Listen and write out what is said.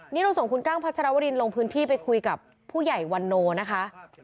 นี่เราส่งคุณกั้งพัชรวรินลงพื้นที่ไปคุยกับผู้ใหญ่วันโนนะคะ